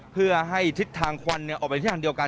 เพื่อให้ทิศทางควันออกไปที่ทางเดียวกัน